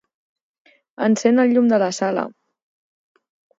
Encén el llum de la sala.